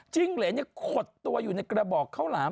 จิ้งเหลนคมมือคดในกระบอกข้าวหลาม